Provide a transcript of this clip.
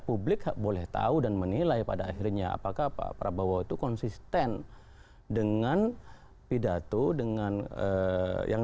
publik boleh tahu dan menilai pada akhirnya apakah pak prabowo itu konsisten dengan pidato dengan yang